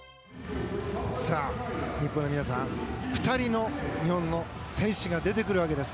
日本の皆さん、２人の日本の選手が出てくるわけです。